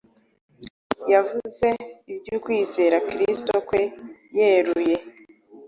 Yavuze iby’ukwizera Kristo kwe yeruye,